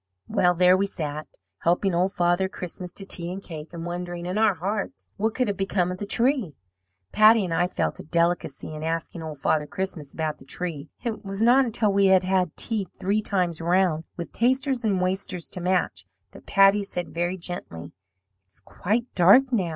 "Well, there we sat, helping Old Father Christmas to tea and cake, and wondering in our hearts what could have become of the tree. "Patty and I felt a delicacy in asking Old Father Christmas about the tree. It was not until we had had tea three times round, with tasters and wasters to match, that Patty said very gently: 'It's quite dark now.'